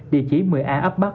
địa chỉ một mươi a ấp bắc